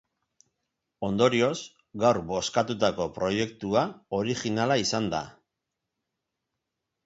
Ondorioz, gaur bozkatutako proiektua originala izan da.